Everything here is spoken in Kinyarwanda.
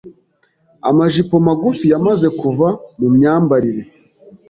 Amajipo magufi yamaze kuva mu myambarire.